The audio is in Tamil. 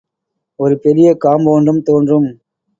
ஒரு பெரிய காம்பவுண்டும் தோன்றும்.